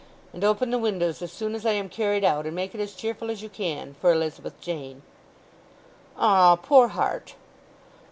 And open the windows as soon as I am carried out, and make it as cheerful as you can for Elizabeth Jane.'" "Ah, poor heart!"